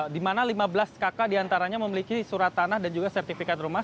di mana lima belas kakak diantaranya memiliki surat tanah dan juga sertifikat rumah